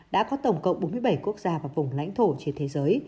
đã có tổng cộng bốn mươi bảy quốc gia và vùng lãnh thổ trên thế giới